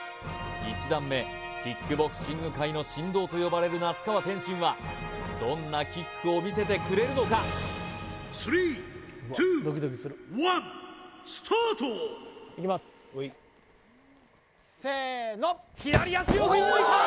１段目キックボクシング界の神童と呼ばれる那須川天心はどんなキックを見せてくれるのかスタートいきますせの左足を振り抜いた！